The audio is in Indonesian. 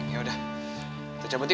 yaudah kita cabut yuk